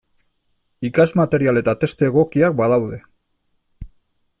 Ikasmaterial eta testu egokiak badaude.